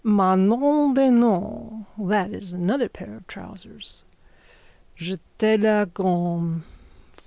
Mais nom de nom, that is another pair of trousers. _Jetez la gourme.